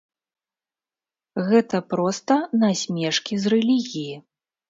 Гэта проста насмешкі з рэлігіі.